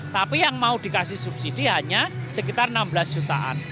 tapi yang mau dikasih subsidi hanya sekitar enam belas jutaan